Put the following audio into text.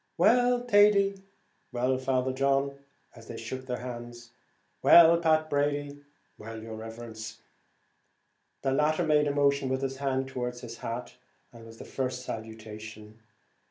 "Well, Thady," and "Well, Father John," as they shook hands; and, "Well, Pat Brady," and "Well, yer riverence," as the latter made a motion with his hand towards his hat, was the first salutation.